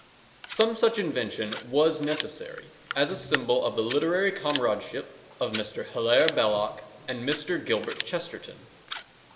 Some such invention was necessary as a symbol of the literary comradeship of Mr. Hilaire Belloc and Mr. Gilbert Chesterton.